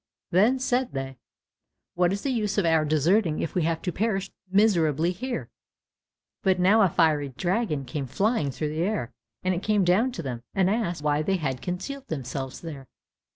Then said they, "What is the use of our deserting if we have to perish miserably here?" But now a fiery dragon came flying through the air, and it came down to them, and asked why they had concealed themselves there?